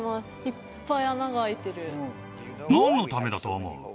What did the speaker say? いっぱい穴があいてる何のためだと思う？